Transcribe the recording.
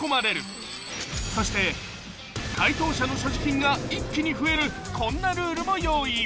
［そして解答者の所持金が一気に増えるこんなルールも用意］